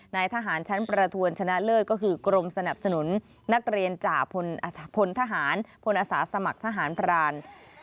นายทหารชั้นประทวนชนะเลิศก็คือกรมสนับสนุนนักเรียนจ่าพลทหารพลอาสาสมัครทหารพราน